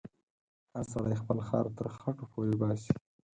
هر سړی خپل خر تر خټو پورې باسې.